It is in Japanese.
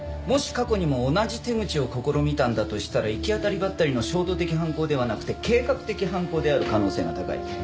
もし過去にも同じ手口を試みたんだとしたら行き当たりばったりの衝動的犯行ではなくて計画的犯行である可能性が高い。